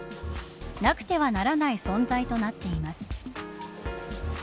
なくてはならない存在となっています。